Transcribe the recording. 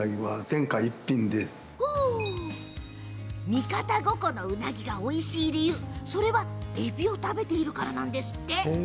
三方五湖のウナギがおいしい理由それはえびを食べているからなんです。